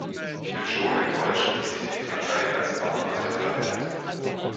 Ich bin schon enttäuscht, wie sich die Türkei als Partner hier verhält.